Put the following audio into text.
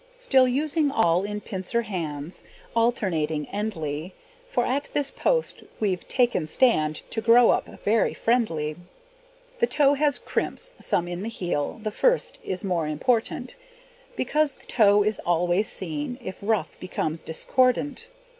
Still using awl in pincer hand, Alternating endly, For at this post we've taken stand To grow up very friendly. The toe has crimps, some in the heel; The first is more important, Because the toe is always seen; If rough becomes discordant.